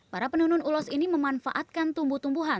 para penunun ulos ini memanfaatkan tumbuh tumbuhan